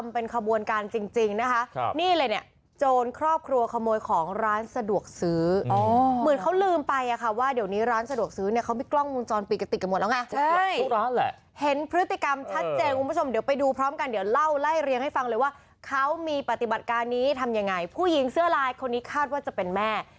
ผู้หญิงเสื้อลายคนนี้คาดว่าจะเป็นแม่